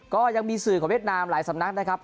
ก็ยังมีสื่อของเวียดนามหลายสำนักนะครับ